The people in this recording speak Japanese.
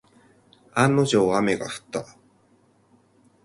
案の定、雨が降った。